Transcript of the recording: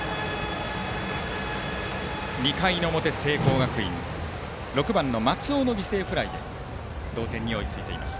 ２回の表、聖光学院６番の松尾の犠牲フライで同点に追いついています。